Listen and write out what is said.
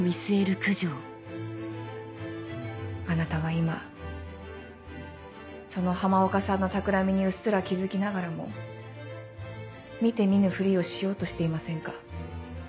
あなたは今その浜岡さんのたくらみにうっすら気付きながらも見て見ぬフリをしようとしていませんか？